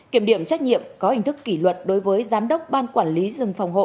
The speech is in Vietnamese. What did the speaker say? kiểm điểm trách nhiệm có hình thức kỷ luật đối với giám đốc ban quản lý rừng phòng hộ